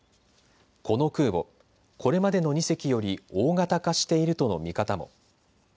この空母、これまでまでの２隻より大型化しているとの見方も。